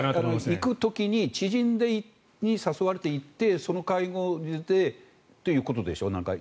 行く時に知人に誘われて行ってその会合でっていうことでしょ。